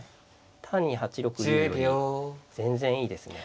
単に８六竜より全然いいですね。